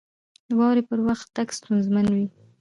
• د واورې پر وخت تګ ستونزمن وي.